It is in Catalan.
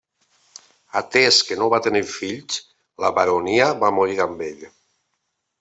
Atès que no va tenir fills, la baronia va morir amb ell.